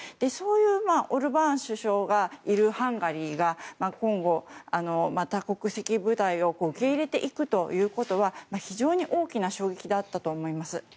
そういうオルバーン首相がいるハンガリーが今後、多国籍部隊を受け入れていくということは非常に大きな衝撃だったと思います。